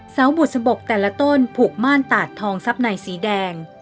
เสาบุษบกแต่ละต้นผูกม่านตาดทองซับในสีแดง